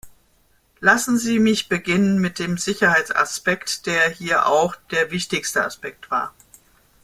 Lassen Sie mich beginnen mit dem Sicherheitsaspekt, der hier auch der wichtigste Aspekt war.